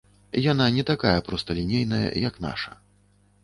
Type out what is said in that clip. Яна не такая просталінейная, як наша.